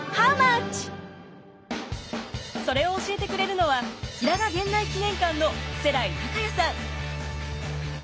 それを教えてくれるのは平賀源内記念館の瀬来孝弥さん。